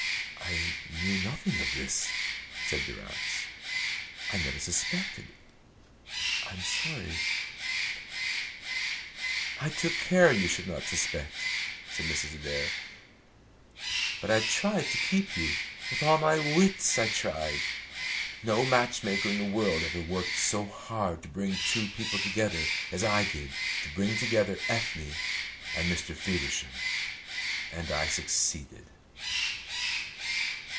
"I knew nothing of this," said Durrance. "I never suspected. I am sorry." "I took care you should not suspect," said Mrs. Adair. "But I tried to keep you; with all my wits I tried. No match maker in the world ever worked so hard to bring two people together as I did to bring together Ethne and Mr. Feversham, and I succeeded."